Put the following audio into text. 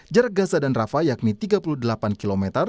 jarak gaza dan rafa yakni tiga puluh delapan km